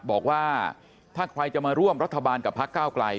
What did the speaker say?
บอกว่าถ้าใครจะมาร่วมรัฐบาลกับพักเก้าไกล